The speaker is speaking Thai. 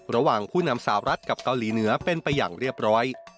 ระหว่างผู้นำสาวรัฐกับเกาหลีเหนือเป็นไปอย่างเรียบร้อย